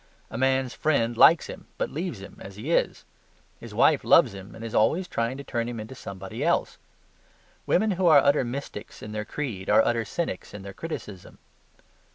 A man's friend likes him but leaves him as he is: his wife loves him and is always trying to turn him into somebody else. Women who are utter mystics in their creed are utter cynics in their criticism.